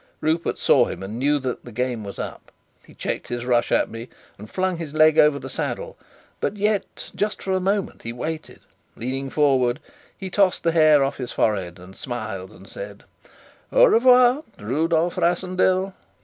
Rupert saw him, and knew that the game was up. He checked his rush at me and flung his leg over the saddle, but yet for just a moment he waited. Leaning forward, he tossed his hair off his forehead and smiled, and said: "Au revoir, Rudolf Rassendyll!"